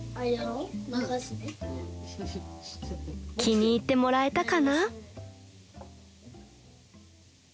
［気に入ってもらえたかな？］